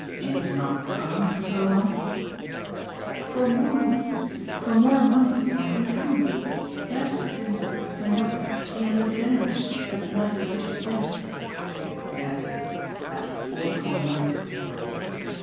"In not coming for so long?" "For more weeks, for more months than I can count. Scarcely since when was it? the end of January, that night of Tishy's dinner." "Yes, that awful night."